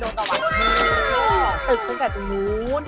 ตึกตั้งแต่ตรงนู้น